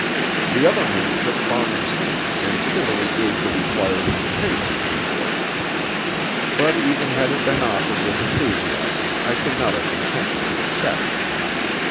The other man took Farnham's hint, and civilly gave the required invitation, of course, but even had it been offered with enthusiasm I should not have been tempted to accept.